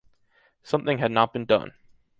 Something had not been done.